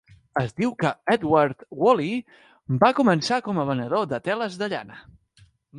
Es diu que Edward Whalley va començar com a venedor de teles de llana.